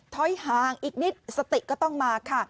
ถอยห่างอีกนิดสติก็ต้องมาค่ะ